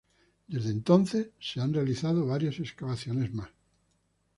Desde entonces se han realizado varias excavaciones más.